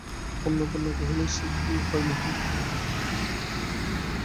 অন্নপূর্ণা কহিলেন, সে কি হয় মহিন।